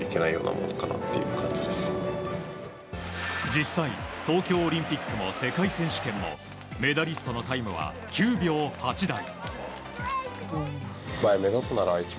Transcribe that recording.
実際、東京オリンピックも世界選手権もメダリストのタイムは９秒８台。